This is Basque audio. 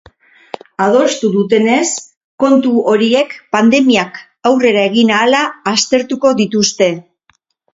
Adostu dutenez, kontu horiek pandemiak aurrera egin ahala aztertuko dituzte.